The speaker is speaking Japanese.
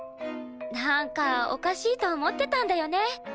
なんかおかしいと思ってたんだよね。